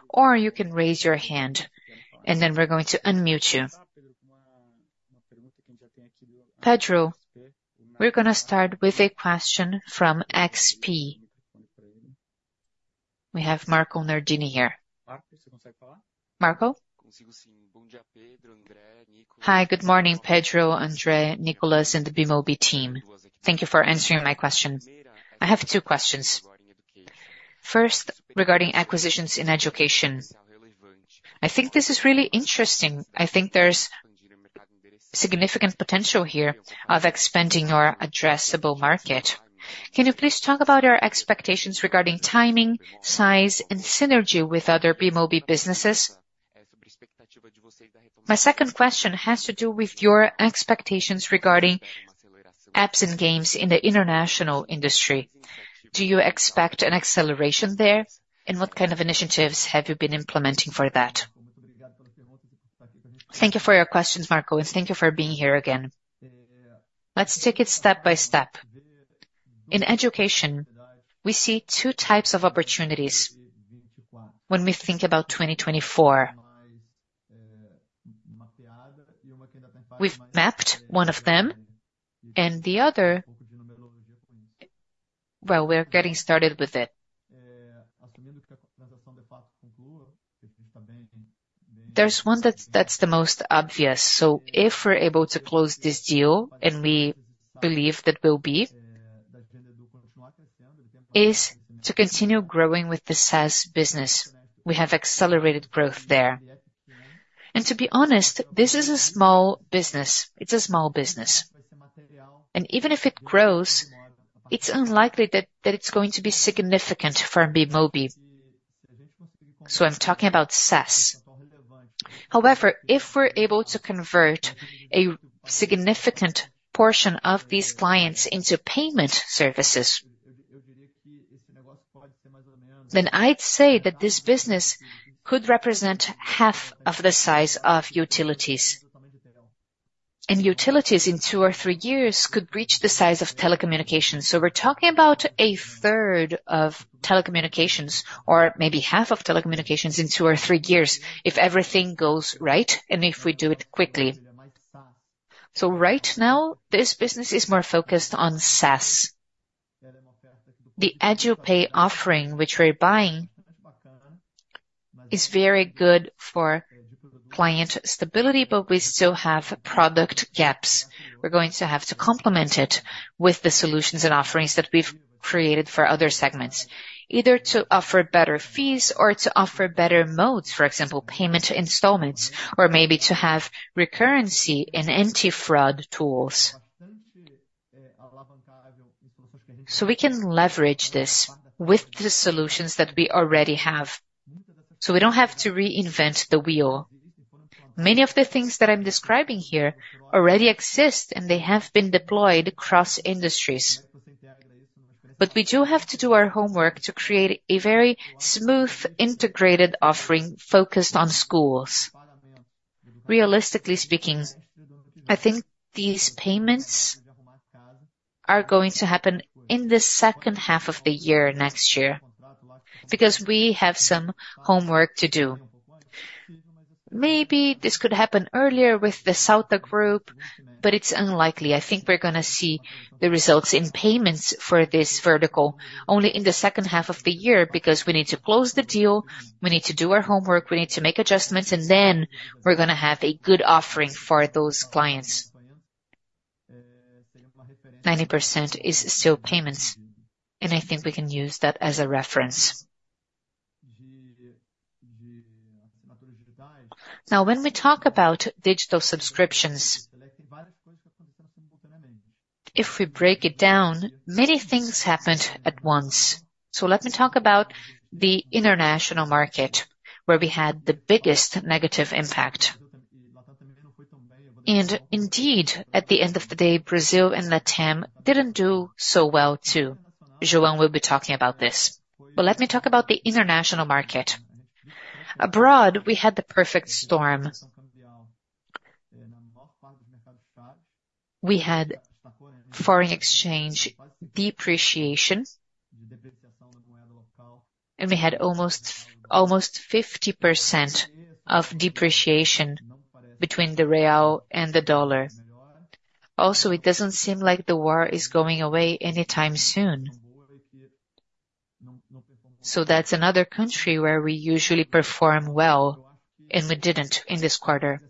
or you can raise your hand, and then we're going to unmute you. Pedro, we're gonna start with a question from XP. We have Marco Nardini here. Marco? Hi, good morning, Pedro, André, Nicolas, and the Bemobi team. Thank you for answering my questions. I have two questions. First, regarding acquisitions in education. I think this is really interesting. I think there's significant potential here of expanding our addressable market. Can you please talk about your expectations regarding timing, size, and synergy with other Bemobi businesses? My second question has to do with your expectations regarding apps and games in the international industry. Do you expect an acceleration there? And what kind of initiatives have you been implementing for that? Thank you for your questions, Marco, and thank you for being here again. Let's take it step by step. In education, we see two types of opportunities when we think about 2024. We've mapped one of them, and the other, well, we're getting started with it. There's one that's, that's the most obvious. So if we're able to close this deal, and we believe that we'll be, is to continue growing with the SaaS business. We have accelerated growth there. And to be honest, this is a small business. It's a small business, and even if it grows, it's unlikely that, that it's going to be significant for Bemobi. So I'm talking about SaaS. However, if we're able to convert a significant portion of these clients into payment services, then I'd say that this business could represent half of the size of utilities. Utilities, in two or three years, could reach the size of telecommunications. So we're talking about a third of telecommunications or maybe half of telecommunications in two or three years, if everything goes right and if we do it quickly. So right now, this business is more focused on SaaS. The EduPay offering, which we're buying, is very good for client stability, but we still have product gaps. We're going to have to complement it with the solutions and offerings that we've created for other segments, either to offer better fees or to offer better modes, for example, payment installments, or maybe to have recurrency and anti-fraud tools. So we can leverage this with the solutions that we already have, so we don't have to reinvent the wheel. Many of the things that I'm describing here already exist, and they have been deployed across industries. But we do have to do our homework to create a very smooth, integrated offering focused on schools. Realistically speaking, I think these payments are going to happen in the second half of the year next year, because we have some homework to do. Maybe this could happen earlier with the Grupo Salta, but it's unlikely. I think we're gonna see the results in payments for this vertical only in the second half of the year, because we need to close the deal, we need to do our homework, we need to make adjustments, and then we're gonna have a good offering for those clients. 90% is still payments, and I think we can use that as a reference. Now, when we talk about digital subscriptions, if we break it down, many things happened at once. So let me talk about the international market, where we had the biggest negative impact. And indeed, at the end of the day, Brazil and LatAm didn't do so well, too. João will be talking about this. But let me talk about the international market. Abroad, we had the perfect storm. We had foreign exchange depreciation, and we had almost, almost 50% of depreciation between the real and the dollar. Also, it doesn't seem like the war is going away anytime soon. So that's another country where we usually perform well, and we didn't in this quarter.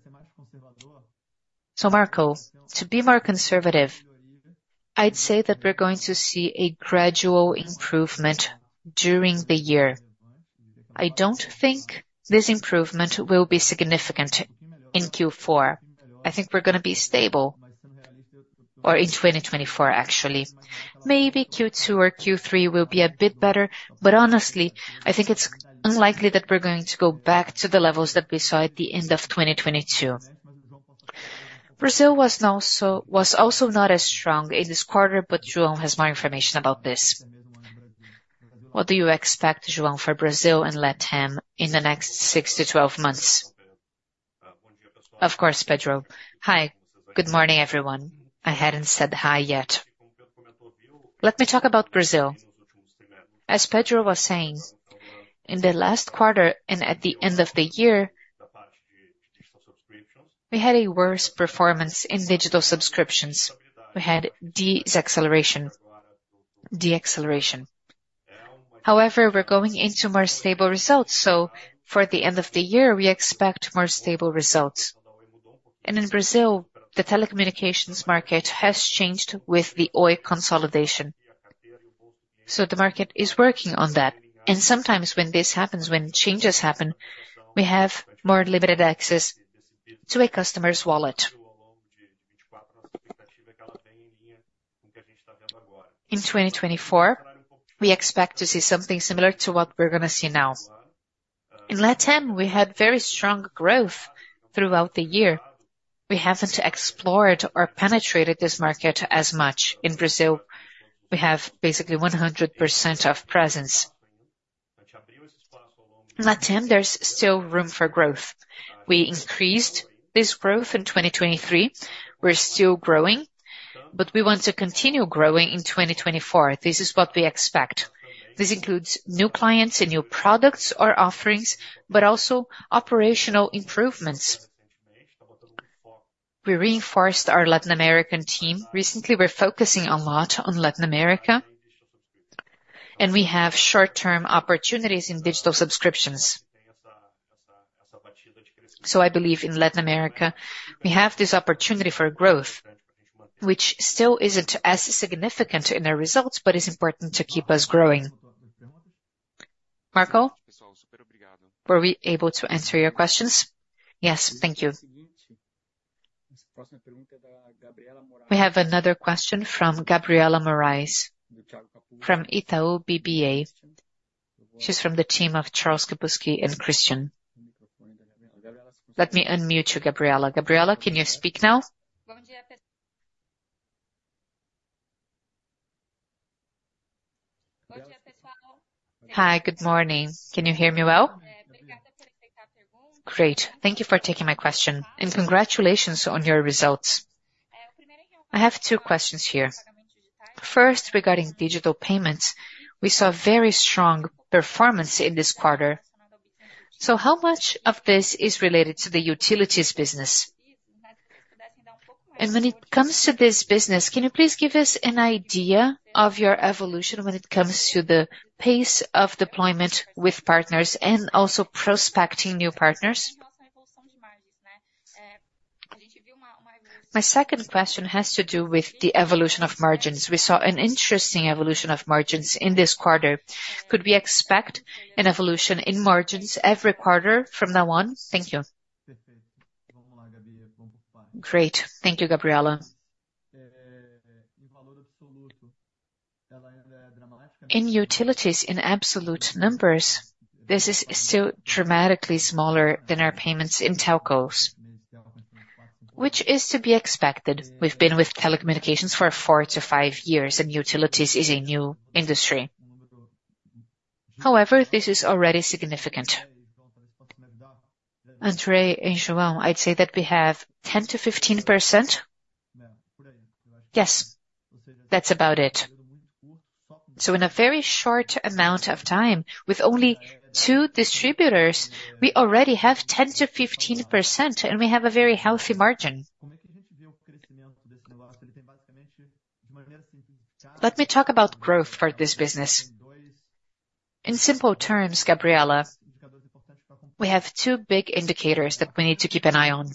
So, Marco, to be more conservative, I'd say that we're going to see a gradual improvement during the year. I don't think this improvement will be significant in Q4. I think we're gonna be stable, or in 2024, actually. Maybe Q2 or Q3 will be a bit better, but honestly, I think it's unlikely that we're going to go back to the levels that we saw at the end of 2022. Brazil was also not as strong in this quarter, but João has more information about this. What do you expect, João, for Brazil and LatAm in the next six to 12 months? Of course, Pedro. Hi, good morning, everyone. I hadn't said hi yet. Let me talk about Brazil. As Pedro was saying, in the last quarter and at the end of the year, we had a worse performance in digital subscriptions. We had deceleration. However, we're going into more stable results, so for the end of the year, we expect more stable results. In Brazil, the telecommunications market has changed with the Oi consolidation, so the market is working on that. Sometimes when this happens, when changes happen, we have more limited access to a customer's wallet. In 2024, we expect to see something similar to what we're gonna see now. In LatAm, we had very strong growth throughout the year. We haven't explored or penetrated this market as much. In Brazil, we have basically 100% of presence. LatAm, there's still room for growth. We increased this growth in 2023. We're still growing, but we want to continue growing in 2024. This is what we expect. This includes new clients and new products or offerings, but also operational improvements. We reinforced our Latin American team. Recently, we're focusing a lot on Latin America, and we have short-term opportunities in digital subscriptions. So I believe in Latin America, we have this opportunity for growth, which still isn't as significant in our results, but is important to keep us growing. Marco, were we able to answer your questions? Yes, thank you. We have another question from Gabriela Moraes, from Itaú BBA. She's from the team of Charles Kapuske and Cristian. Let me unmute you, Gabriela. Gabriela, can you speak now? Hi, good morning. Can you hear me well? Great. Thank you for taking my question, and congratulations on your results. I have two questions here. First, regarding digital payments, we saw very strong performance in this quarter. So how much of this is related to the utilities business?... And when it comes to this business, can you please give us an idea of your evolution when it comes to the pace of deployment with partners and also prospecting new partners? My second question has to do with the evolution of margins. We saw an interesting evolution of margins in this quarter. Could we expect an evolution in margins every quarter from now on? Thank you. Great. Thank you, Gabriela. In utilities, in absolute numbers, this is still dramatically smaller than our payments in telcos, which is to be expected. We've been with telecommunications for four to five years, and utilities is a new industry. However, this is already significant. André and João, I'd say that we have 10%-15%. Yes, that's about it. So in a very short amount of time, with only two distributors, we already have 10%-15%, and we have a very healthy margin. Let me talk about growth for this business. In simple terms, Gabriela, we have two big indicators that we need to keep an eye on.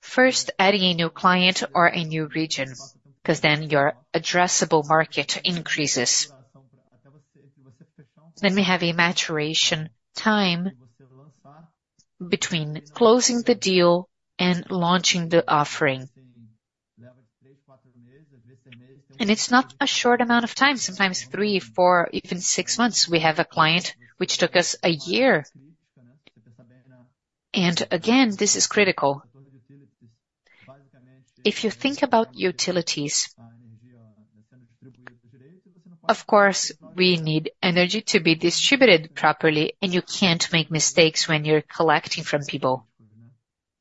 First, adding a new client or a new region, because then your addressable market increases. Then we have a maturation time between closing the deal and launching the offering. And it's not a short amount of time, sometimes three, four, even six months. We have a client which took us a year, and again, this is critical. If you think about utilities, of course, we need energy to be distributed properly, and you can't make mistakes when you're collecting from people.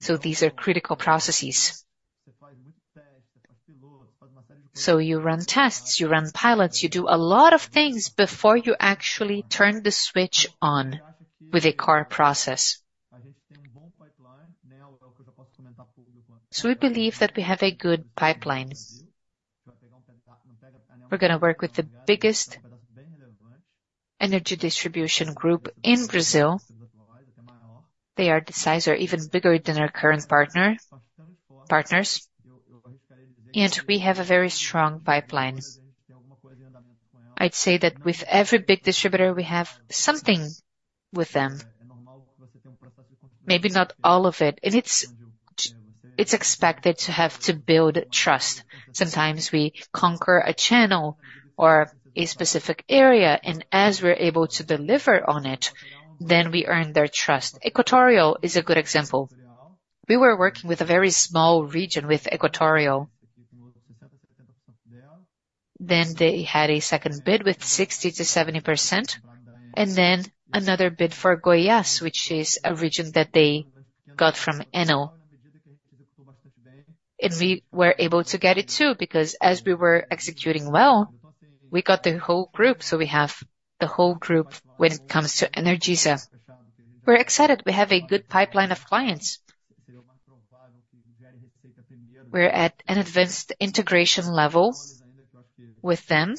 So these are critical processes. So you run tests, you run pilots, you do a lot of things before you actually turn the switch on with a core process. So we believe that we have a good pipeline. We're gonna work with the biggest energy distribution group in Brazil. They are the size or even bigger than our current partner- partners, and we have a very strong pipeline. I'd say that with every big distributor, we have something with them. Maybe not all of it, and it's, it's expected to have to build trust. Sometimes we conquer a channel or a specific area, and as we're able to deliver on it, then we earn their trust. Equatorial is a good example. We were working with a very small region with Equatorial. Then they had a second bid with 60%-70%, and then another bid for Goiás, which is a region that they got from ENEL. And we were able to get it, too, because as we were executing well, we got the whole group. So we have the whole group when it comes to Energisa. We're excited. We have a good pipeline of clients. We're at an advanced integration level with them.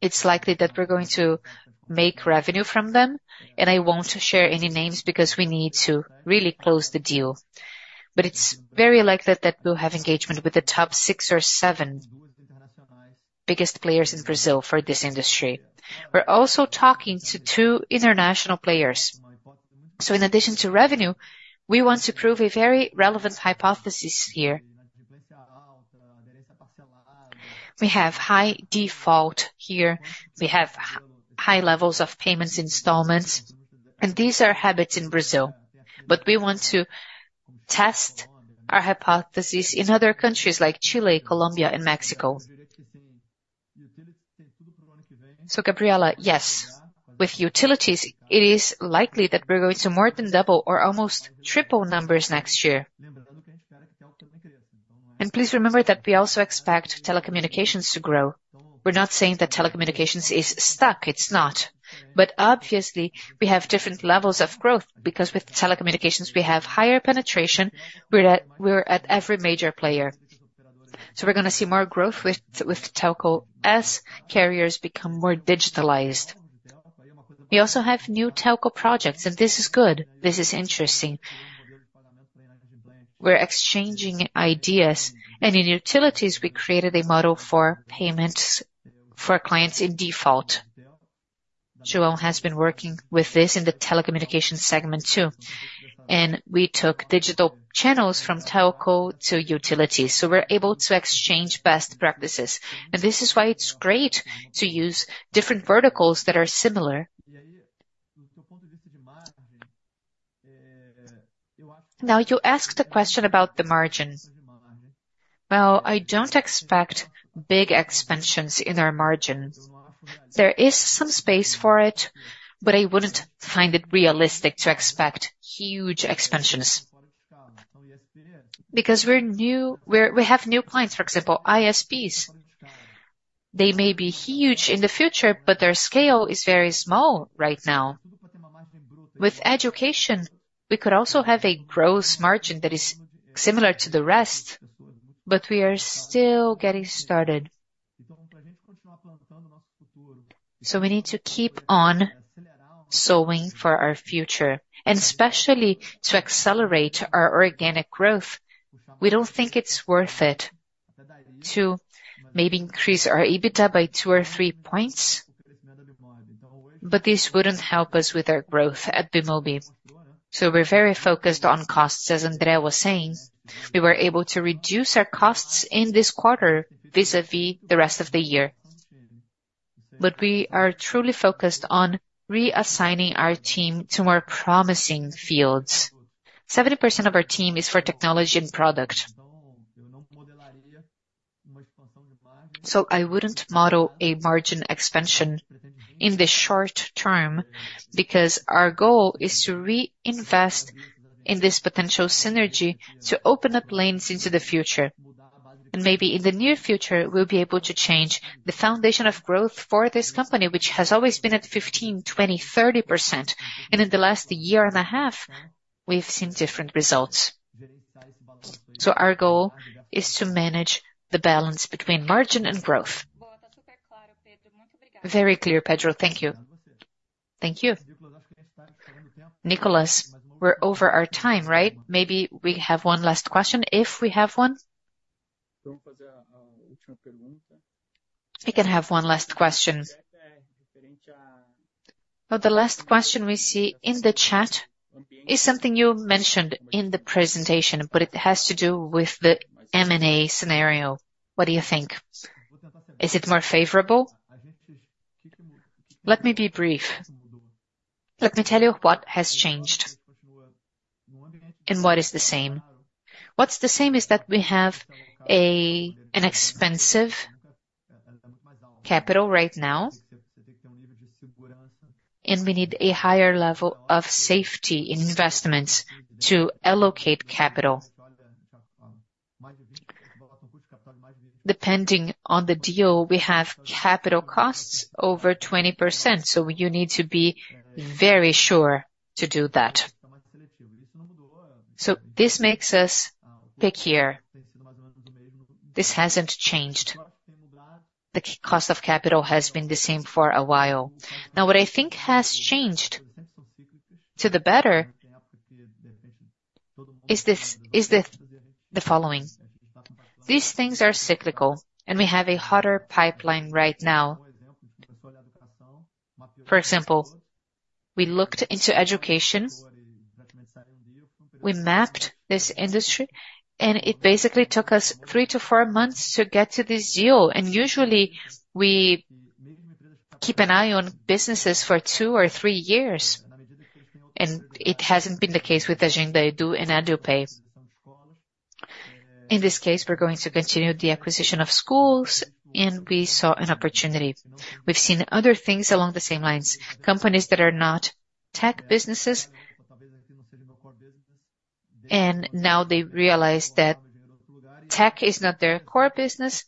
It's likely that we're going to make revenue from them, and I won't share any names because we need to really close the deal. But it's very likely that we'll have engagement with the top six or seven biggest players in Brazil for this industry. We're also talking to two international players. So in addition to revenue, we want to prove a very relevant hypothesis here. We have high default here, we have high levels of payments installments, and these are habits in Brazil. But we want to test our hypothesis in other countries like Chile, Colombia, and Mexico. So, Gabriela, yes, with utilities, it is likely that we're going to more than double or almost triple numbers next year. And please remember that we also expect telecommunications to grow. We're not saying that telecommunications is stuck. It's not. But obviously, we have different levels of growth, because with telecommunications, we have higher penetration, we're at, we're at every major player. So we're gonna see more growth with, with telco as carriers become more digitalized. We also have new telco projects, and this is good. This is interesting. We're exchanging ideas, and in utilities, we created a model for payments for clients in default. João has been working with this in the telecommunications segment, too, and we took digital channels from telco to utilities, so we're able to exchange best practices. And this is why it's great to use different verticals that are similar. Now, you asked a question about the margins. Well, I don't expect big expansions in our margins. There is some space for it, but I wouldn't find it realistic to expect huge expansions. Because we're new—we're, we have new clients, for example, ISPs. They may be huge in the future, but their scale is very small right now. With education, we could also have a gross margin that is similar to the rest, but we are still getting started. So we need to keep on sowing for our future, and especially to accelerate our organic growth. We don't think it's worth it to maybe increase our EBITDA by two or three points, but this wouldn't help us with our growth at Bemobi. So we're very focused on costs. As André was saying, we were able to reduce our costs in this quarter vis-à-vis the rest of the year. But we are truly focused on reassigning our team to more promising fields. 70% of our team is for technology and product. So I wouldn't model a margin expansion in the short term, because our goal is to reinvest in this potential synergy, to open up lanes into the future. And maybe in the near future, we'll be able to change the foundation of growth for this company, which has always been at 15%, 20%, 30%, and in the last year and a half, we've seen different results. So our goal is to manage the balance between margin and growth. Very clear, Pedro. Thank you. Thank you. Nicolas, we're over our time, right? Maybe we have one last question, if we have one. We can have one last question. Well, the last question we see in the chat is something you mentioned in the presentation, but it has to do with the M&A scenario. What do you think? Is it more favorable? Let me be brief. Let me tell you what has changed and what is the same. What's the same is that we have a, an expensive capital right now, and we need a higher level of safety in investments to allocate capital. Depending on the deal, we have capital costs over 20%, so you need to be very sure to do that. So this makes us pickier. This hasn't changed. The cost of capital has been the same for a while. Now, what I think has changed to the better is this, is the, the following: These things are cyclical, and we have a hotter pipeline right now. For example, we looked into education, we mapped this industry, and it basically took us three to four months to get to this deal, and usually we keep an eye on businesses for two or three years, and it hasn't been the case with Agenda Edu and EduPay. In this case, we're going to continue the acquisition of schools, and we saw an opportunity. We've seen other things along the same lines, companies that are not tech businesses, and now they realize that tech is not their core business,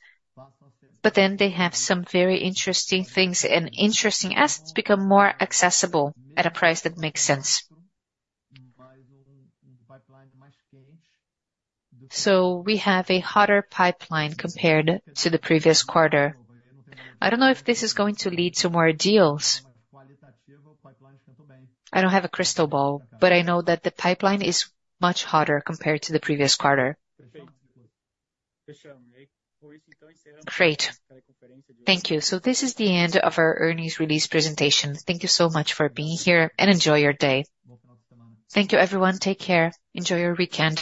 but then they have some very interesting things, and interesting assets become more accessible at a price that makes sense. So we have a hotter pipeline compared to the previous quarter. I don't know if this is going to lead to more deals. I don't have a crystal ball, but I know that the pipeline is much hotter compared to the previous quarter. Great. Thank you. So this is the end of our earnings release presentation. Thank you so much for being here, and enjoy your day. Thank you, everyone. Take care. Enjoy your weekend.